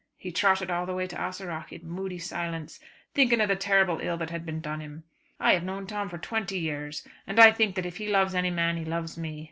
He trotted all the way to Ahaseragh in moody silence, thinking of the terrible ill that had been done him. I have known Tom for twenty years, and I think that if he loves any man he loves me.